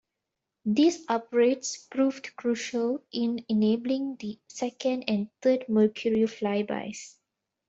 These upgrades proved crucial in enabling the second and third Mercury flybys.